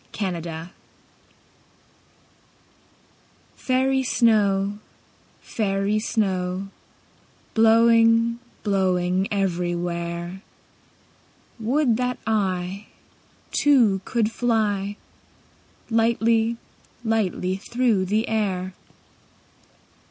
Snow Song FAIRY snow, fairy snow, Blowing, blowing everywhere, Would that I Too, could fly Lightly, lightly through the air.